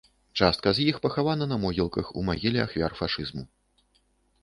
Частка з іх пахавана на могілках ў магіле ахвяр фашызму.